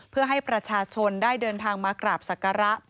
เพื่อให้ประชาชนได้เดินทางมากราบศักระ